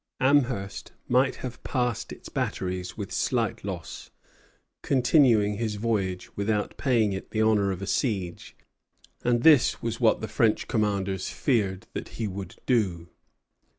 Amherst might have passed its batteries with slight loss, continuing his voyage without paying it the honor of a siege; and this was what the French commanders feared that he would do.